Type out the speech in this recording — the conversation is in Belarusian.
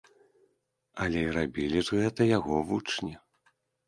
Але і рабілі ж гэта яго вучні.